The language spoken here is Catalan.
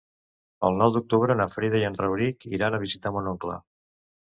El nou d'octubre na Frida i en Rauric iran a visitar mon oncle.